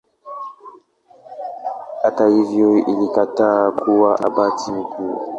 Hata hivyo alikataa kuwa Abati mkuu.